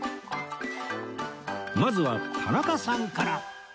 まずは田中さんから